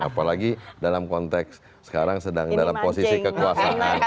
apalagi dalam konteks sekarang sedang dalam posisi kekuasaan